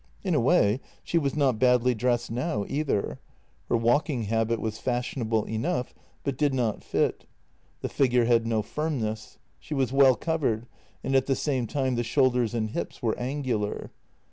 In a way she was not badly dressed now either; her JENNY 207 walking habit was fashionable enough, but did not fit. The figure had no firmness; she was well covered, and at the same time the shoulders and hips were angular.